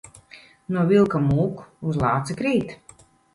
No vilka mūk, uz lāci krīt.